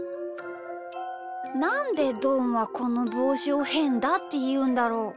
なんでどんはこのぼうしを「へんだ」っていうんだろう？